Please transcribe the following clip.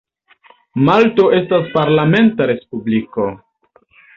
Malto estas parlamenta respubliko.